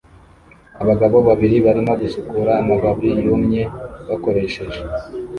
abagabo babiri barimo gusukura amababi yumye bakoresheje